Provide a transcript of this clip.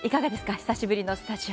久しぶりのスタジオ。